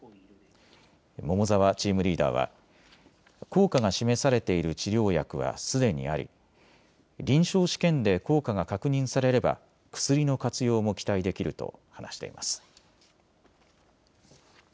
桃沢チームリーダーは効果が示されている治療薬はすでにあり臨床試験で効果が確認されれば薬の活用も期待できると話しています。